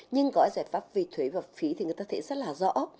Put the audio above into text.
nhưng gói giải pháp về thuế và phí thì người ta thấy rất là rõ